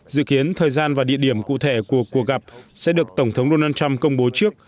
dự kiến thời gian và địa điểm cụ thể của cuộc gặp sẽ được tổng thống donald trump công bố trước